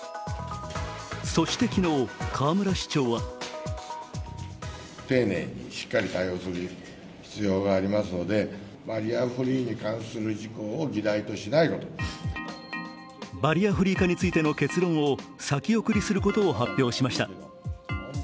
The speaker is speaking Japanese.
そして昨日、河村市長はバリアフリー化についての結論を先送りすることを発表しました。